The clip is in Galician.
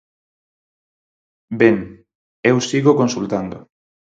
Ben, eu sigo consultando.